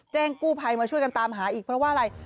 กู้ภัยมาช่วยกันตามหาอีกเพราะว่าอะไร